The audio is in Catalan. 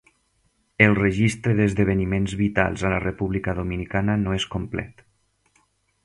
El registre d'esdeveniments vitals a la República Dominicana no és complet.